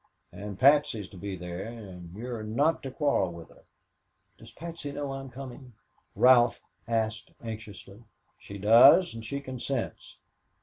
"And Patsy is to be there, and you are not to quarrel with her." "Does Patsy know I'm coming?" Ralph asked anxiously. "She does, and she consents."